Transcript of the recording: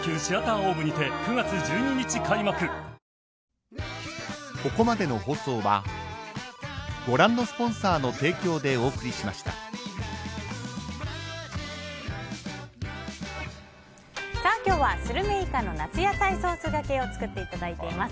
いろいろ、おつまみに今日はスルメイカの夏野菜ソースがけを作っていただいています。